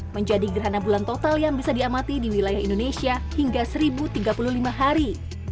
menjadi gerhana bulan total yang bisa diamati di wilayah indonesia hingga seribu tiga puluh lima hari